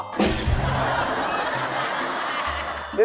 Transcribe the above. หายข้างนอก